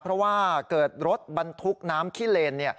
เพราะว่าเกิดรถบรรทุกน้ำขี้เลน